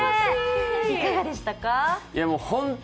いかがでしたか？